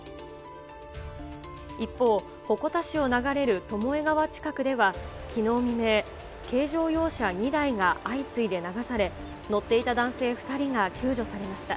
一方、鉾田市を流れる巴川近くでは、きのう未明、軽乗用車２台が相次いで流され、乗っていた男性２人が救助されました。